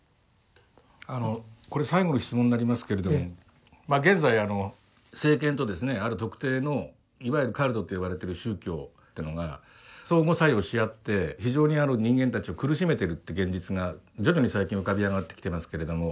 あのこれ最後の質問になりますけれども現在政権とですねある特定のいわゆるカルトと呼ばれてる宗教ってのが相互作用し合って非常に人間たちを苦しめてるって現実が徐々に最近浮かび上がってきてますけれども。